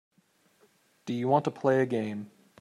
Do you want to play a game.